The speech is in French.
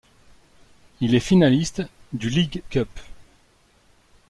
Il est finaliste du League Cup.